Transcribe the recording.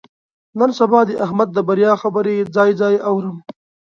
نن سبا د احمد د بریا خبرې ځای ځای اورم.